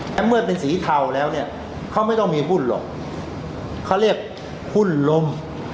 แต่เมื่อเป็นสีเทาแล้วเนี่ยเขาไม่ต้องมีหุ้นหรอกเขาเรียกหุ้นลม